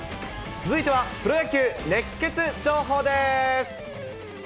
続いてはプロ野球熱ケツ情報です。